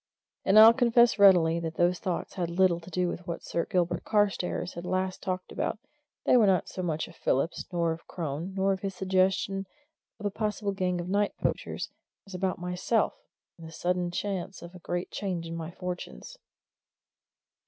And I'll confess readily that those thoughts had little to do with what Sir Gilbert Carstairs had last talked about they were not so much of Phillips, nor of Crone, nor of his suggestion of a possible gang of night poachers, as about myself and this sudden chance of a great change in my fortunes.